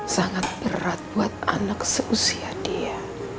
sangat berat buat anak seusia dia